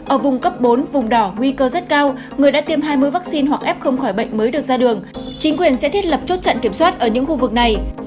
ở vùng cấp bốn vùng đỏ nguy cơ rất cao người đã tiêm hai mươi vaccine hoặc f không khỏi bệnh mới được ra đường chính quyền sẽ thiết lập chốt trận kiểm soát ở những khu vực này